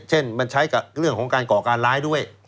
เช่นมันใช้กับเรื่องของการก่อการร้ายด้วย